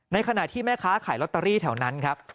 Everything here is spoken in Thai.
ขณะที่แม่ค้าขายลอตเตอรี่แถวนั้นครับ